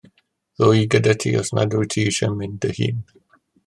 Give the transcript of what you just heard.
Ddo i gyda ti os nad wyt ti eisiau mynd dy hun.